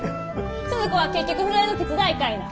スズ子は結局風呂屋の手伝いかいな？